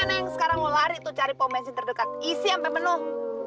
neng sekarang lo lari tuh cari pom bensin terdekat isi sampai penuh